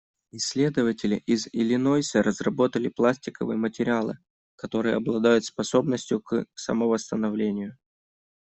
Исследователи из Иллинойса разработали пластиковые материалы, которые обладают способностью к самовосстановлению.